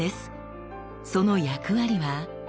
その役割は。